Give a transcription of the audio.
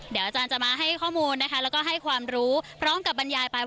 เดี๋ยวอาจารย์จะมาให้ข้อมูลนะคะแล้วก็ให้ความรู้พร้อมกับบรรยายไป